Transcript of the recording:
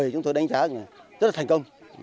chúng tôi đánh giá rất là thành công